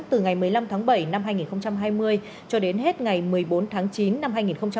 từ ngày một mươi năm tháng bảy năm hai nghìn hai mươi cho đến hết ngày một mươi bốn tháng chín năm hai nghìn hai mươi